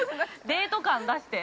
デート感、出して。